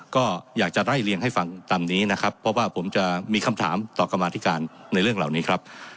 ก็อยากจะไล่เลี่ยงให้ฟังตามนี้นะครับเพราะว่าผมจะมีคำถามต่อกรรมาธิการในเรื่องเหล่านี้ครับ